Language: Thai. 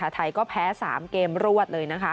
ไทยก็แพ้๓เกมรวดเลยนะคะ